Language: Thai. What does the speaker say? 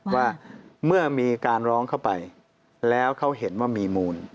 ว่าเมื่อมีการร้องเข้าไปแล้วเขาเห็นว่ามีมูล